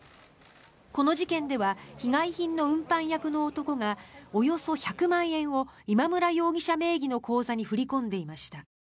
この事件では被害品の運搬役の男がおよそ１００万円を今村容疑者名義の口座に振り込んでいました。